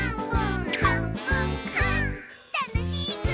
たのしいぐ！